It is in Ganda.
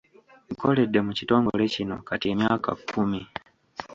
Nkoledde mu kitongole kino kati emyaka kkumi.